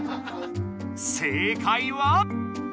正解は？